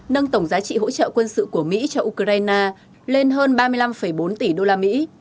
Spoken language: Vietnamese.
nâng tổng giá trị hỗ trợ quân sự của mỹ cho ukraine lên hơn ba mươi năm bốn tỷ đô la mỹ